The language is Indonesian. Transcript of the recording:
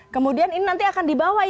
kemudian ini nanti akan dibawa